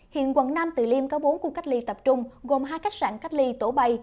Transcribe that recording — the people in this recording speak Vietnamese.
hiện quận nam từ liêm có bốn khu cách ly tập trung gồm hai khách sạn cách ly tổ bay